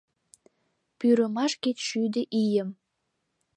Пӱрымаш кеч шӱдӧ ийым